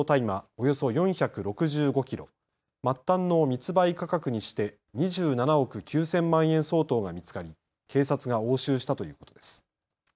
およそ４６５キロ、末端の密売価格にして２７億９０００万円相当が見つかり、警察が押収したということです。